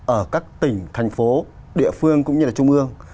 ở các tỉnh thành phố địa phương cũng như là trung ương